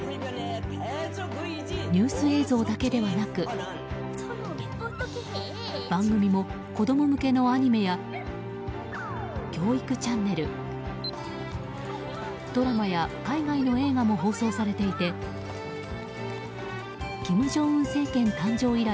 ニュース映像だけではなく番組も、子供向けのアニメや教育チャンネルドラマや海外の映画も放送されていて金正恩政権誕生以来